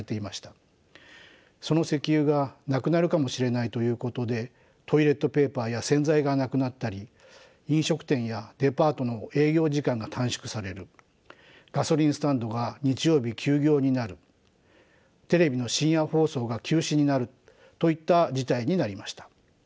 その石油がなくなるかもしれないということでトイレットペーパーや洗剤がなくなったり飲食店やデパートの営業時間が短縮されるガソリンスタンドが日曜日休業になるテレビの深夜放送が休止になるといった事態になりました。